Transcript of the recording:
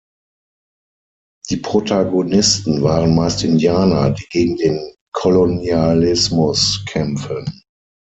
Die Protagonisten waren meist Indianer, die gegen den Kolonialismus kämpfen.